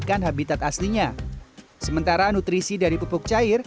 kita bisa memprediksi